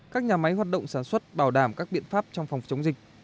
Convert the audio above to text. các nhà máy hoạt động sản xuất bảo đảm các biện pháp trong phòng chống dịch